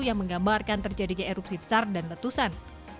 yang menggambarkan terjadinya erupsi besar dan letusan